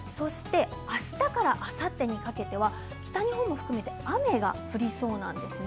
明日からあさってにかけては北日本を含めて雨が降りそうなんですね。